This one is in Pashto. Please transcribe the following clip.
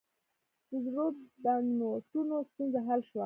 د زړو بانکنوټونو ستونزه حل شوه؟